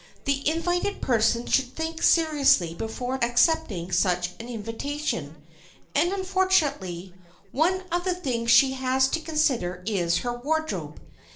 The invited person should think seriously before accepting such an invitation, and, unfortunately, one of the things she has to consider is her wardrobe.